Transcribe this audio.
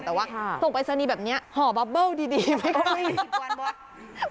แต่ว่าส่งปรายศนีย์แบบนี้ห่อบับเบิ้ลดีไม่ค่อย